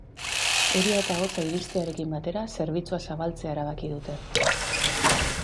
Euria eta hotza iristearekin batera, zerbitzua zabaltzea erabaki dute.